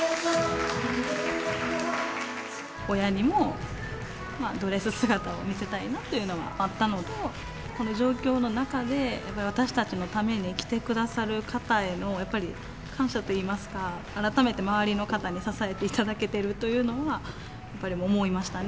親にもドレス姿を見せたいなというのはあったのと、この状況の中で、やっぱり私たちのために来てくださる方への、やっぱり感謝といいますか、改めて周りの方に支えていただけてるというのは、やっぱり思いましたね。